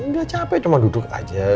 dia capek cuma duduk aja